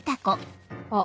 あっ。